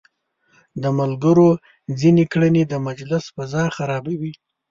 د ملګرو ځينې کړنې د مجلس فضا خرابوي.